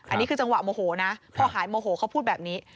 อันนี้คือจังหวะโมโหนะพอหายโมโหเขาพูดแบบนี้